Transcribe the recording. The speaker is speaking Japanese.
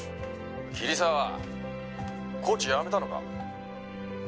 「桐沢コーチ辞めたのか？」